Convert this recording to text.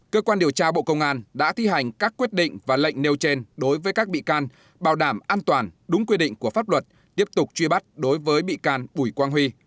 cơ quan điều tra bộ công an đã thi hành các quyết định và lệnh nêu trên đối với các bị can bảo đảm an toàn đúng quy định của pháp luật tiếp tục truy bắt đối với bị can bùi quang huy